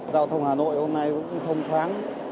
giao thông hà nội hôm nay cũng thông thoáng